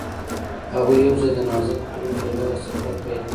هغوی یوځای د نازک غروب له لارې سفر پیل کړ.